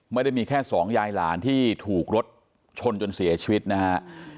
ไม่ได้มีแค่สองยายหลานที่ถูกรถชนจนเสียชีวิตนะฮะ